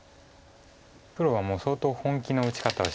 黒はもう相当本気の打ち方をしてるので。